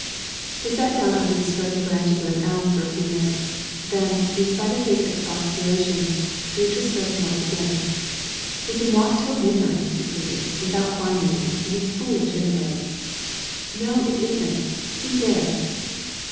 They sat down under the spreading branches of an elm for a few minutes, then, in spite of his expostulations, Beatrice started north again. "We can walk till midnight," he pleaded, "without finding it, and it's foolish, anyway." "No, it isn't; see there!"